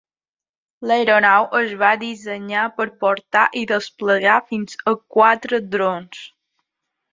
L'aeronau es va dissenyar per portar i desplegar fins a quatre drons.